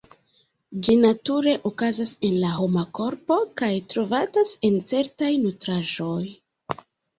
Ĝi nature okazas en la homa korpo kaj trovatas en certaj nutraĵoj.